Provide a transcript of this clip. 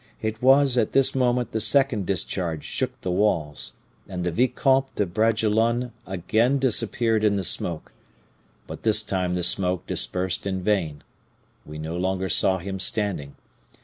It was at this moment the second discharge shook the walls, and the Vicomte de Bragelonne again disappeared in the smoke; but this time the smoke dispersed in vain; we no longer saw him standing.